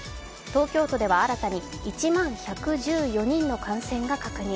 東京都では新たに１万１１４人の感染が確認。